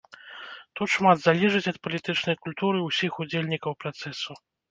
Тут шмат залежыць ад палітычнай культуры ўсіх удзельнікаў працэсу.